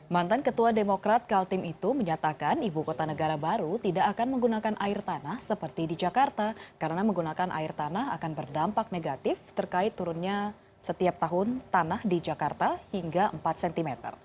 mantan ketua demokrat kaltim itu menyatakan ibu kota negara baru tidak akan menggunakan air tanah seperti di jakarta karena menggunakan air tanah akan berdampak negatif terkait turunnya setiap tahun tanah di jakarta hingga empat cm